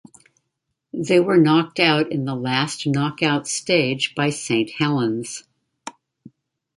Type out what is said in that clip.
They were knocked out in the last knock-out stage by Saint Helens.